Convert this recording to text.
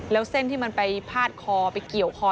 แล้วเส้นที่มันไปพาดคอไปเกี่ยวคอ